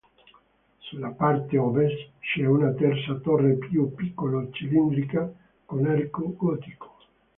Sulla parte ovest c'è una terza torre più piccolo cilindrica con arco gotico.